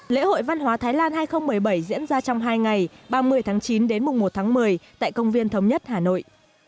lễ hội văn hóa thái lan hai nghìn một mươi bảy diễn ra trong hai ngày ba mươi tháng chín đến mùng một tháng một mươi tại công viên thống nhất hà nội